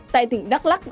tại tỉnh đắk lắc